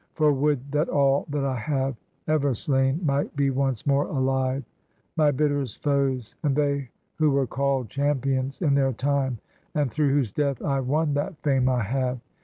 For would that all that I have ever slain Might be once more alive: my bitterest foes, And they who were call'd champions in their time, And through whose death I won that fame I have